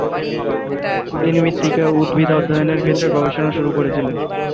তিনি মৃত্তিকা-উদ্ভিদ অধ্যয়নের ক্ষেত্রে গবেষণা শুরু করেছিলেন।